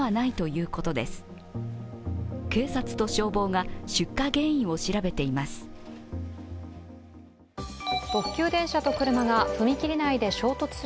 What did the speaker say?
警察と消防が出火原因を調べています。